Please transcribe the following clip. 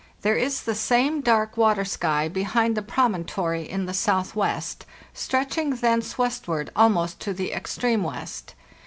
There is the same dark water sky behind the promontory in the southwest, stretch ing thence westward almost to the extreme west.